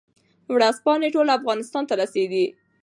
ورځپاڼې ټول افغانستان ته رسېدې.